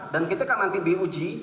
dan kita kan nanti diuji